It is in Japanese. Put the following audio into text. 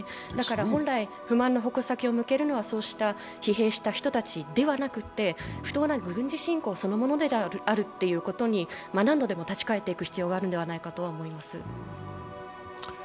本来、不満の矛先を向けるのはそうした疲弊した人たちではなくて不当な軍事侵攻そのものであるということに何度でも立ち返るべきだと思います。